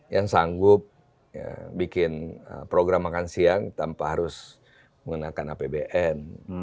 yang sanggup bikin program makan siang tanpa harus mengenakan apbn